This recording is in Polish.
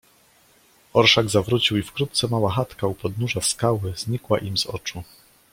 "Orszak zawrócił i wkrótce mała chatka u podnóża skały znikła im z oczu."